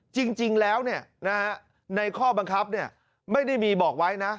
จริงแล้วเนี่ยในข้อบังคับเนี่ยไม่ได้มีบอกไว้นะ